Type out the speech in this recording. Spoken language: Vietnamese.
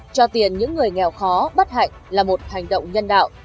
cho tiền những người nghèo khó bất hạnh là một hành động nhân đạo